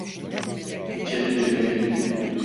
İçeri girmeliyim.